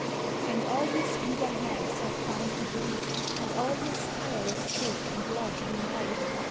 And all his eager hands have found to do, And all his tireless hope and love unite.